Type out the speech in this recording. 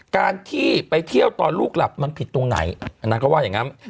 การที่ไปเที่ยวตอนลูกหลับมันผิดตรงไหนนางก็ว่าอย่างนั้น